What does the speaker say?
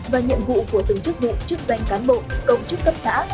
và nhiệm vụ của từng chức vụ chức danh cán bộ công chức cấp xã